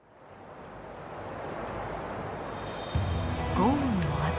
豪雨のあと。